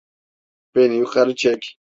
Beni yukarı çek!